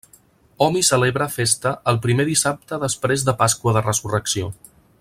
Hom hi celebra festa el primer dissabte després de Pasqua de Resurrecció.